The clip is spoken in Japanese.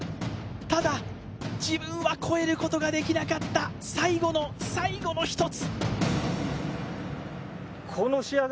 ただ自分は越えることができなかった、最後の最後の一つ。